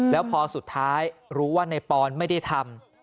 แล้วพอสุดท้ายรู้ว่าในปอนไม่ได้ทำ